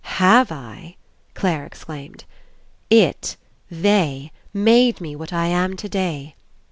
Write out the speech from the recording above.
"Have I?" Clare exclaimed. "It, they, made me what I am today.